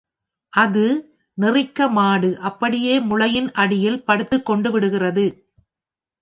அது நெறிக்க மாடு அப்படியே முளையின் அடியில் படுத்துக் கொண்டுவிடுகிறது.